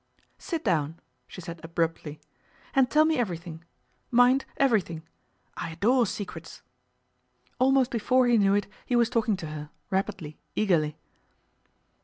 'Sit down,' she said abruptly, 'and tell me everything; mind, everything. I adore secrets.' Almost before he knew it he was talking to her, rapidly, eagerly.